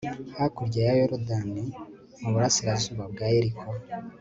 hakurya ya yorudani, mu burasirazuba bwa yeriko